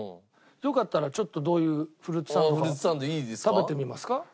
よかったらちょっとどういうフルーツサンドか食べてみますか？